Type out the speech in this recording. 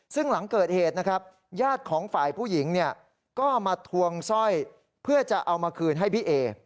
ซึ่งหลังเกิดเหตุญาติของฝ่ายผู้หญิงก็มาทวงซ่อยเพื่อจะเอามาคืนให้พี่เอ๋